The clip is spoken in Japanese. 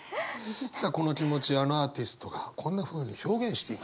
さあこの気持ちあのアーティストがこんなふうに表現していました。